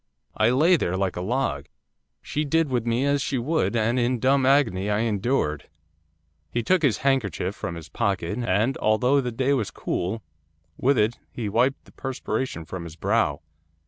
I lay there like a log. She did with me as she would, and in dumb agony I endured.' He took his handkerchief from his pocket, and, although the day was cool, with it he wiped the perspiration from his brow.